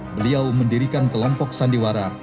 beliau mendirikan kelompok sandiwara